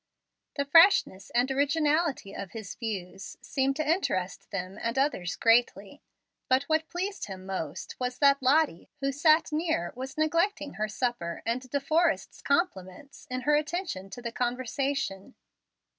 The freshness and originality of his views seemed to interest them and others greatly; but what pleased him most was that Lottie, who sat near, was neglecting her supper and De Forrest's compliments in her attention to the conversation.